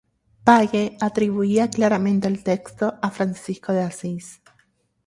Page atribuía claramente el texto a Francisco de Asís.